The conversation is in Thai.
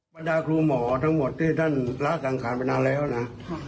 บรรดาครูหมอทั้งหมดที่ท่านละสังขารมานานแล้วนะ